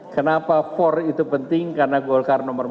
kenapa empat itu penting karena golkar nomor empat